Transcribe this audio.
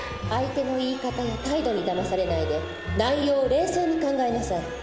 相手の言い方や態度にだまされないで内容を冷静に考えなさい。